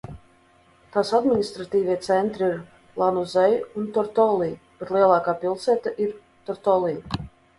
Tās administratīvie centri ir Lanuzei un Tortoli, bet lielākā pilsēta ir Tortoli.